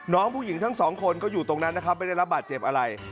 น้องผู้หญิงทั้งสองคนก็อยู่ตรงนั้นนะครับไม่ได้รับบาดเจ็บอะไร